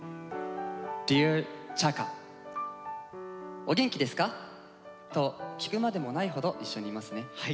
『お元気ですか？』と聞くまでもないほど一緒にいますね。